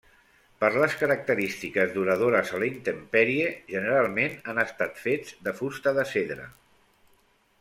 Per les característiques duradores a la intempèrie, generalment han estat fets de fusta de cedre.